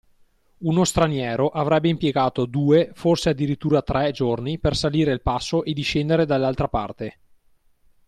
uno straniero avrebbe impiegato due, forse addirittura tre, giorni per salire il passo e discendere dall’altra parte.